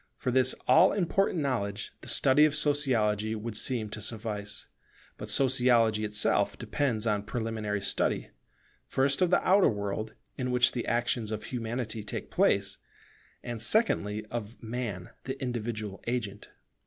For this all important knowledge, the study of Sociology would seem to suffice: but Sociology itself depends upon preliminary study, first of the outer world, in which the actions of Humanity take place; and secondly, of Man, the individual agent.